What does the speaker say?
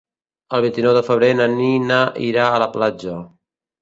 El vint-i-nou de febrer na Nina irà a la platja.